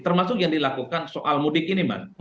termasuk yang dilakukan soal mudik ini mbak